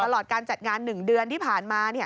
ตลอดการจัดงาน๑เดือนที่ผ่านมา